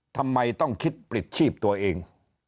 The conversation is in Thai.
ทำไมต้องคิดปลิดชีพตัวเอง